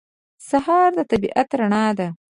سهار د طبیعت رڼا ده.